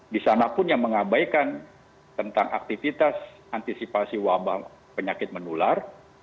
disanapun yang mengabaikan tentang aktivitas antisipasi wabah penyakit menular